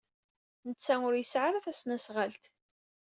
Netta ur yesɛi ara tasnasɣalt.